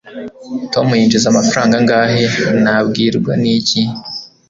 tom yinjiza amafaranga angahe nabwirwa n'iki